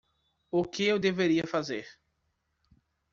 O que eu deveria fazer?